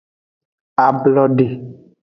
Ablode.